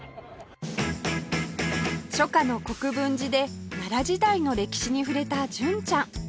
初夏の国分寺で奈良時代の歴史に触れた純ちゃん